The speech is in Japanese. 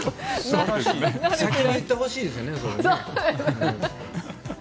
先に言ってほしいですね。